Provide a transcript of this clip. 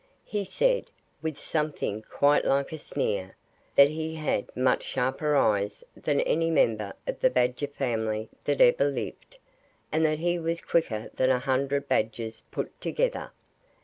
He said, with something quite like a sneer, that he had much sharper eyes than any member of the Badger family that ever lived, and that he was quicker than a hundred Badgers put together.